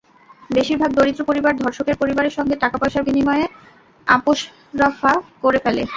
বেশির ভাগ দরিদ্র পরিবার ধর্ষকের পরিবারের সঙ্গে টাকাপয়সার বিনিময়ে আপসরফা করে ফেলে।